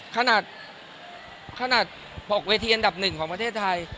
ขนาดขนาด๖เวทีอันดับหนึ่งของประเทศไทย